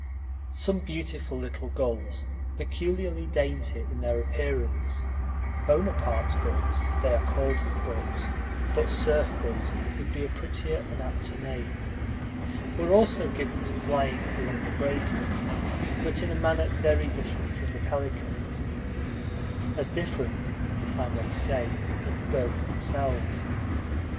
Some beautiful little gulls, peculiarly dainty in their appearance ("Bonaparte's gulls," they are called in books, but "surf gulls" would be a prettier and apter name), were also given to flying along the breakers, but in a manner very different from the pelicans'; as different, I may say, as the birds themselves.